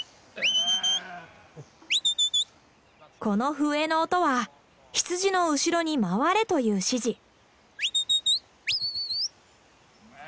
この笛の音は「羊の後ろに回れ」という指示。